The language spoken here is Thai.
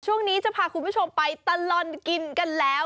ช่วงนี้จะพาคุณผู้ชมไปตลอดกินกันแล้ว